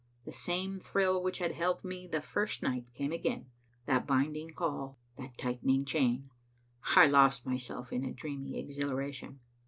The same thrill which had held me the first night came again, that binding call, that tightening chain. I lost myself in a dreamy exhilaration.